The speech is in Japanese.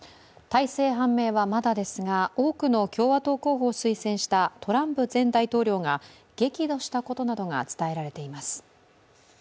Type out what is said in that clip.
態勢判明はまだですが、多くの共和党候補を推薦したトランプ前大統領が激怒したことなどが伝えられています。